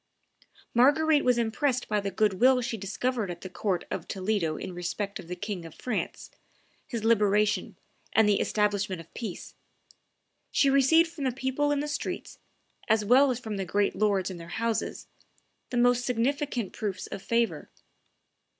Marguerite was impressed by the good will she discovered at the court of Toledo in respect of the King of France, his liberation, and the establishment of peace; she received from the people in the streets, as well as from the great lords in their houses, the most significant proofs of favor.